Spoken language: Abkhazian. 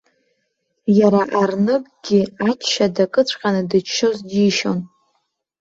Иара арныггьы ачча дакыҵәҟьаны дыччоз џьишьон.